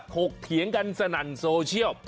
กรยังเอยเถียงกันสนันเดียว